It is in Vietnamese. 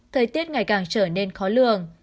thời tiết ngày càng trở nên khó lường